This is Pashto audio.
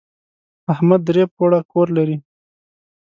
احمد درې پوړه کور لري.